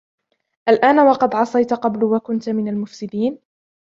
آلْآنَ وَقَدْ عَصَيْتَ قَبْلُ وَكُنْتَ مِنَ الْمُفْسِدِينَ